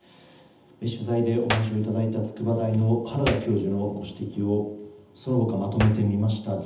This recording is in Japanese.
取材でお話をいただいた筑波大の原田隆之教授のご指摘をその他まとめてみました。